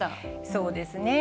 そうですね。